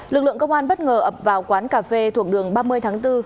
lực lượng công an bất ngờ ập vào quán cà phê thuộc đường ba mươi tháng bốn